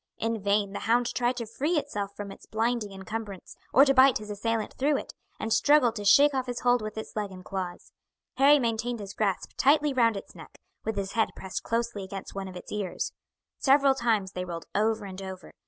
In vain the hound tried to free itself from its blinding encumbrance, or to bite his assailant through it, and struggled to shake off his hold with its legs and claws. Harry maintained his grasp tightly round its neck, with his head pressed closely against one of its ears. Several times they rolled over and over.